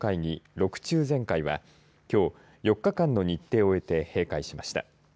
６中全会はきょう、４日間の日程を終えて閉会しました。